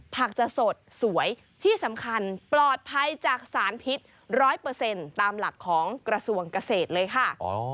จะสดสวยที่สำคัญปลอดภัยจากสารพิษ๑๐๐ตามหลักของกระทรวงเกษตรเลยค่ะ